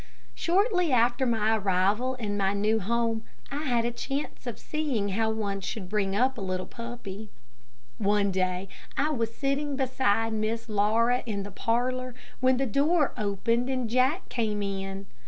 Shortly after my arrival in my new home, I had a chance of seeing how one should bring up a little puppy. One day I was sitting beside Miss Laura in the parlor, when the door opened and Jack came in.